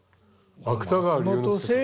芥川龍之介さん。